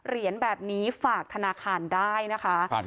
เหรียญแบบนี้ฝากธนาคารได้นะคะ